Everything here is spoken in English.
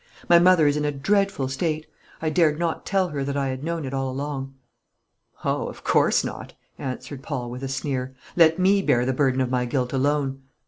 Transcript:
My mother is in a dreadful state. I dared not tell her that I had known it all along." "Oh, of course not," answered Paul, with a sneer; "let me bear the burden of my guilt alone.